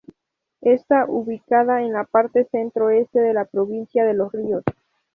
Está ubicada en la parte centro este de la provincia de Los Ríos.